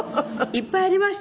いっぱいありました。